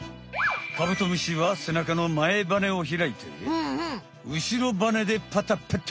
カブトムシはせなかの前バネを開いて後ろバネでパタパタ。